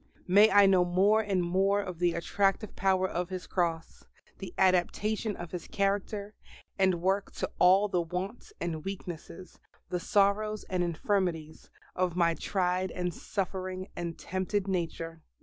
May I know more and more of the attractive power of His Cross the adaptation of His character and work to all the wants and weaknesses, the sorrows and infirmities, of my tried and suffering and tempted nature.